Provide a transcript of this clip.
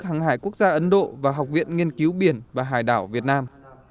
hàng hải quốc gia ấn độ và học viện nghiên cứu biển và hải đảo việt nam